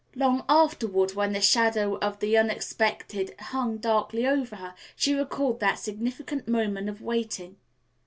Long afterward, when the shadow of the unexpected hung darkly over her, she recalled that significant moment of waiting.